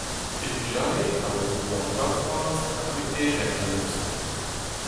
E vugale, a oa dindan oad c'hoazh, a voe hêred da neuze.